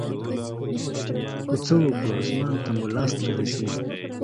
خو څه وكړو اسمان ته مو لاس نه رسي.